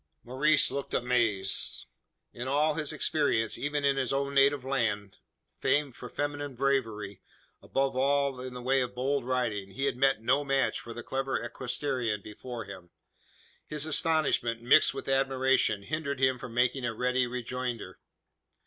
Maurice looked amaze. In all his experience even in his own native land, famed for feminine braverie above all in the way of bold riding he had met no match for the clever equestrian before him. His astonishment, mixed with admiration, hindered him from making a ready rejoinder.